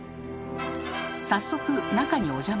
早速中にお邪魔すると。